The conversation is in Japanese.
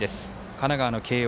神奈川の慶応。